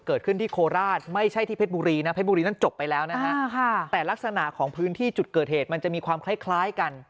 เกิดขึ้นที่โคราชไม่ใช่ที่เพชรบุรีนะเพชรบุรีนั้นจบไปแล้วนะฮะแต่ลักษณะของพื้นที่จุดเกิดเหตุมันจะมีความคล้ายคล้ายกัน